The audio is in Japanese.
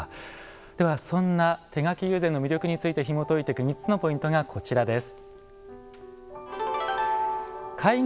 では、そんな手描き友禅の魅力についてひもといていく３つのポイントがこちらです。